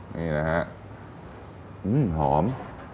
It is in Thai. อืมคือหอม